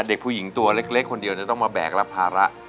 เด็กผู้หญิงตัวเล็กคนเดียวจะต้องมาแบกรับภาระ